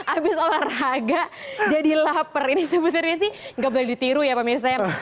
abis olahraga jadi lapar ini sebetulnya sih nggak boleh ditiru ya pak mirsa